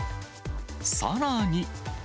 さらに。